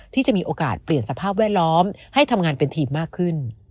ที่จะมีโอกาสเปลี่ยนสภาพแวดล้อมให้ทำงานเป็นทีมมากขึ้น